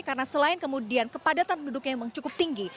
karena selain kemudian kepadatan penduduknya memang cukup tinggi